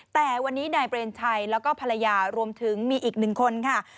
แต่วันนี้นายเปรมชัยแล้วก็ภรรยารวมถึงมีอีกหนึ่งคนค่ะ